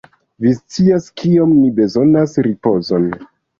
Vi scias, kiom ni bezonas ripozon.